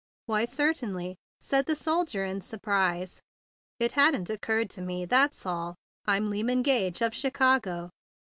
"Why, certainly!" said the soldier in surprise. "It hadn't occurred to me; that's all. I'm Lyman Gage, of Chi¬ cago."